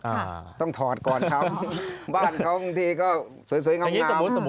อ่าต้องถอดก่อนทำบ้านเขาบางทีก็สวยสวยงาม